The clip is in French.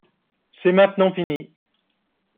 C'est maintenant fini